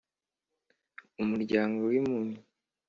Umuryango w’impumyi